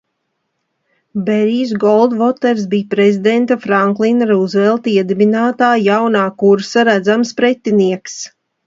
Berijs Goldvoters bija prezidenta Franklina Rūzvelta iedibinātā Jaunā kursa redzams pretinieks.